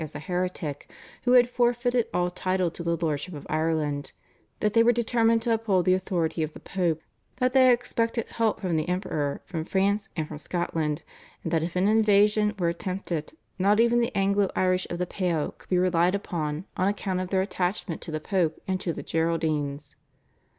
as a heretic, who had forfeited all title to the Lordship of Ireland, that they were determined to uphold the authority of the Pope, that they expected help from the Emperor, from France, and from Scotland, and that if an invasion were attempted not even the Anglo Irish of the Pale could be relied upon on account of their attachment to the Pope and to the Geraldines.